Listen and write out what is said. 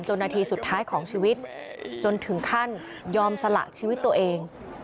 นาทีสุดท้ายของชีวิตจนถึงขั้นยอมสละชีวิตตัวเอง